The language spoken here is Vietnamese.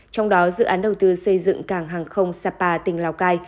trong đó dự án đầu tư xây dựng cảng hàng không sapa tỉnh lào cai